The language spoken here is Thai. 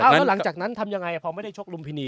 แล้วหลังจากนั้นทำยังไงพอไม่ได้ชกลุมพินี